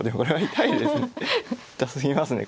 痛すぎますね